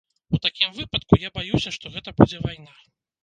У такім выпадку, я баюся, што гэта будзе вайна.